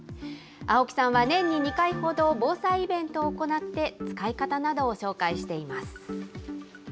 青木さんは年に２回ほど、防災イベントを行って、使い方などを紹介しています。